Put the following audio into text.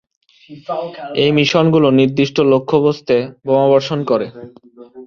এই মিশনগুলো নির্দিষ্ট লক্ষ্যবস্তুে বোমাবর্ষণ করে।